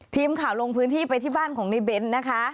ทีมข่าวลงพื้นที่ไปที่บ้านของในเบ้นนะคะ